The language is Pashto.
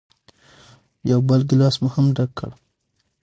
یو بل ګیلاس مو هم ډک کړ.